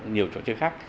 nhiều trò chơi khác